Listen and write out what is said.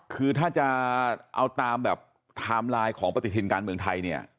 คือถ้าจะเอาตามแบบไทม์ไลน์ของปฏิทินการเมืองไทยเนี่ย